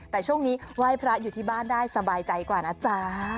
แต่ช่วงนี้ไหว้พระอยู่ที่บ้านได้สบายใจกว่านะจ๊ะ